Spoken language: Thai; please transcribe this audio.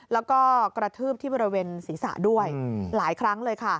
แล้วก็กระทืบที่บริเวณศีรษะด้วยหลายครั้งเลยค่ะ